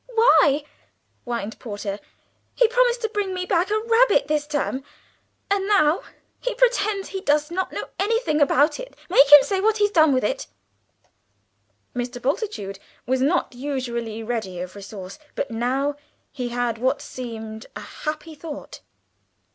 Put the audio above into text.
"Why," whined Porter, "he promised to bring me back a rabbit this term, and now he pretends he does not know anything about it. Make him say what he's done with it!" Mr. Bultitude was not usually ready of resource, but now he had what seemed a happy thought.